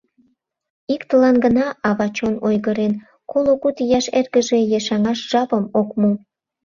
Иктылан гына ава чон ойгырен: коло куд ияш эргыже ешаҥаш жапым ок му.